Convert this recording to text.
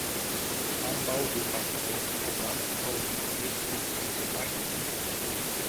Ambaŭ gepatroj kovas laŭvice dum tri semajnoj.